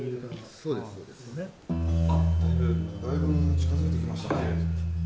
そうですあッだいぶだいぶ近づいてきましたね